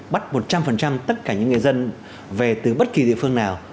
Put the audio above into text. bắt một trăm linh tất cả những người dân về từ bất kỳ địa phương nào